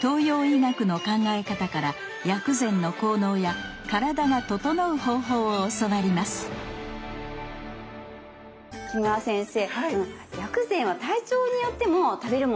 東洋医学の考え方から薬膳の効能や体がととのう方法を教わります木村先生